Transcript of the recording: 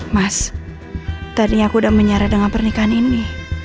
mas tadinya aku udah menyarah dengan pernikahan ini